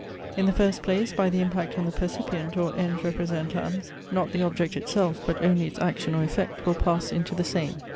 In the first place, by the impact on the percipient, or ens representans, not the object itself, but only its action or effect, will pass into the same.